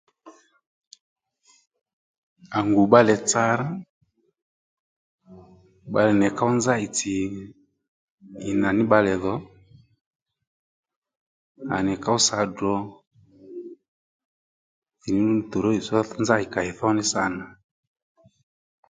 À ngù bbalè tsarr bbalè nì ì kǒw nzá ì tsì ì nà ní bbalè dhò à nì ków sǎ drǒ ndrǔ nì trozì tho nzá ì kà ì thó mí sâ nà